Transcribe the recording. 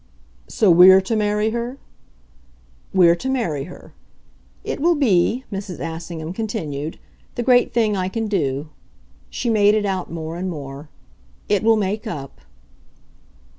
"So we're to marry her?" "We're to marry her. It will be," Mrs. Assingham continued, "the great thing I can do." She made it out more and more. "It will make up."